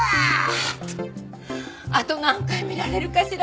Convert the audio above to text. あと何回見られるかしら？